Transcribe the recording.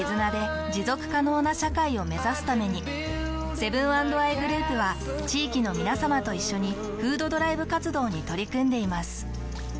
セブン＆アイグループは地域のみなさまと一緒に「フードドライブ活動」に取り組んでいます。